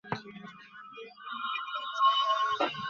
ফলশ্রুতিতে, সাউথ অস্ট্রেলিয়ার পক্ষে খেলার জন্য পুনরায় আহুত হন।